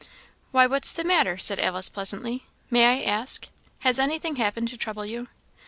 "Why, what's the matter?" said Alice, pleasantly; "may I ask? Has anything happened to trouble you?"